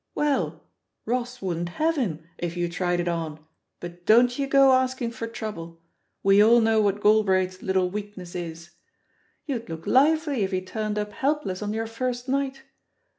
Well, Ross wouldn't have him, if you tried it on, but don't you go asking for trouble. We all know what Galbraith's little weakness is. You'd look lively if he turned up helpless on your first night.